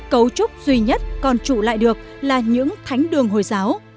cấu trúc duy nhất còn trụ lại được là những thánh đường hồi giáo